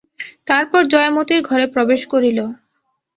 তারপর জয়া মতির ঘরে প্রবেশ করিল।